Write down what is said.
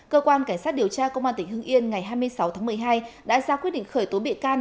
cơ quan cảnh sát điều tra công an tỉnh hưng yên ngày hai mươi sáu tháng một mươi hai đã ra quyết định khởi tố bị can